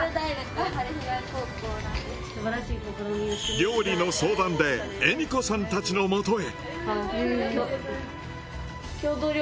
料理の相談でエミコさんたちのもとへ。